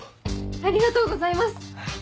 ありがとうございます！